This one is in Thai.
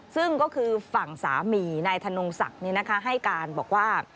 ซึ่งก็คือฝั่งสามีนายธนงศักดิ์ให้การบอกว่า